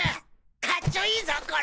カッチョイイぞこれ！